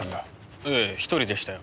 ええ１人でしたよ。